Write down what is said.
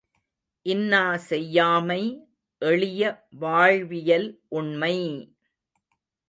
இன்னா செய்யாமை எளிய வாழ்வியல் உண்மை!